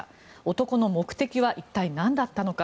男の目的は一体なんだったのか。